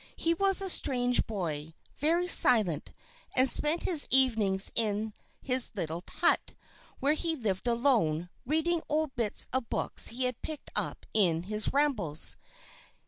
He was a strange boy, very silent, and spent his evenings in his little hut, where he lived alone, reading old bits of books he had picked up in his rambles.